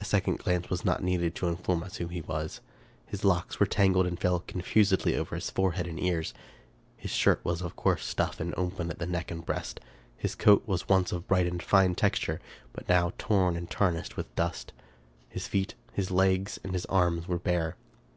A second glance was not needed to inform us who he was. His locks were tangled, and fell confusedly over his forehead and ears. His shirt was of coarse stuff, and open at the neck and breast. His coat was once of bright and fine texture, but now torn and tarnished with dust. His feet, his legs, and his arms, were bare.